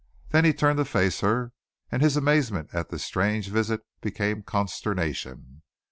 Then he turned to face her, and his amazement at this strange visit became consternation.